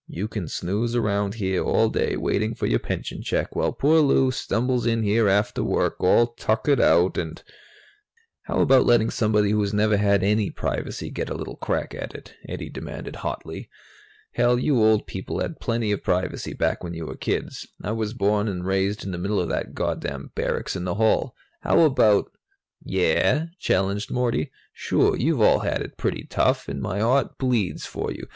You can snooze around here all day, waiting for your pension check, while poor Lou stumbles in here after work, all tuckered out, and " "How about letting somebody who's never had any privacy get a little crack at it?" Eddie demanded hotly. "Hell, you old people had plenty of privacy back when you were kids. I was born and raised in the middle of that goddamn barracks in the hall! How about " "Yeah?" challenged Morty. "Sure, you've all had it pretty tough, and my heart bleeds for you.